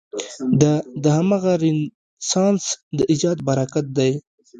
دا د همغه رنسانس د ایجاد براکت دی.